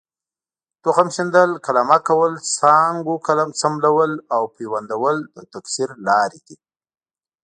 تخم شیندل، قلمه کول، څانګو څملول او پیوند کول د تکثیر لارې دي.